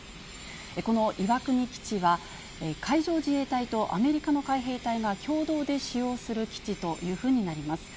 この岩国基地は、海上自衛隊とアメリカの海兵隊が共同で使用する基地ということになります。